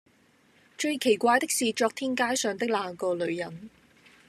最奇怪的是昨天街上的那個女人，